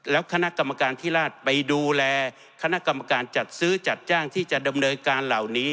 แล้วคณะกรรมการที่ราชไปดูแลคณะกรรมการจัดซื้อจัดจ้างที่จะดำเนินการเหล่านี้